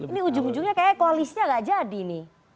ini ujung ujungnya kayaknya koalisnya gak jadi nih